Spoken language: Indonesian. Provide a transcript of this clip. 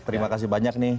terima kasih banyak nih